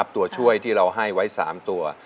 ตัวช่วยที่เราให้ไว้๓ตัว